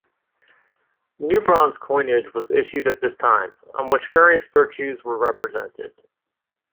New bronze coinage was issued at this time, on which various virtues were represented.